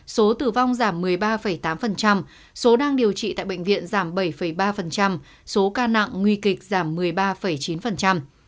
số tử vong giảm một mươi ba tám số đang điều trị tại bệnh viện giảm bảy ba số ca nặng nguy kịch giảm một mươi ba chín